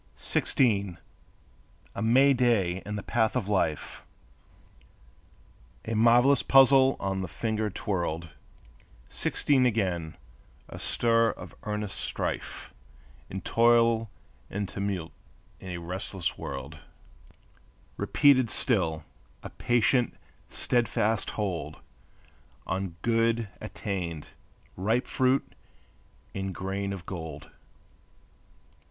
Sixteen! A May day in the path of life, A marvelous puzzle on the finger twirled; Sixteen again; a stir of earnest strife And toil and tumult in a restless world; Repeated still, a patient, steadfast hold On good attained, ripe fruit, and grain of gold.